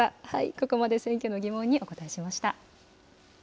ここまで、選挙のギモンにお答えしました。